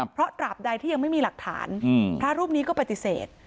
เพราะตราบใดที่ยังไม่มีหลักฐานพระรูปนี้ก็ปฏิเสธ